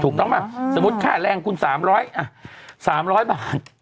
ถูกต้องไหมสมมุติค่าแรงคูณ๓๐๐บาท